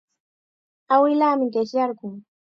Awilaami qishyarqun.